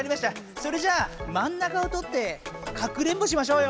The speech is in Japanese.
それじゃ真ん中をとってかくれんぼしましょうよ！